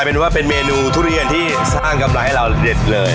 แล้วกลายเป็นแมนูทุเรียนที่สร้างกำไรเหล็ดเลย